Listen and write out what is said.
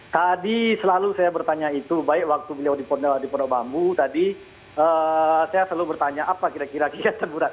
tadi selalu saya bertanya itu baik waktu beliau di pondok bambu tadi saya selalu bertanya apa kira kira terberat